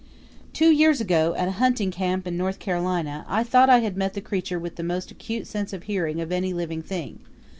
Two years ago at a hunting camp in North Carolina, I thought I had met the creature with the most acute sense of hearing of any living thing.